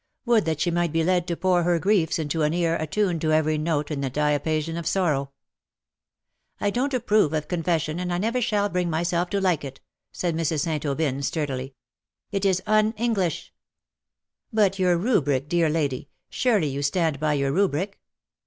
" Would that she might be led to pour her griefs into an ear attuned to every note in the diapason of sorrow. ^''^^ I donH approve of confession, and I never shall bring myself to like it/"* said Mrs. St. Aubyn, sturdily. " It is un English \" ^^But your Rubric, dear lady. Surely you stand by your Rubric